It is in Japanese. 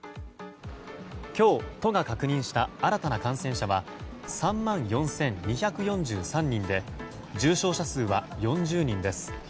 今日、都が確認した新たな感染者は３万４２４３人で重症者数は４０人です。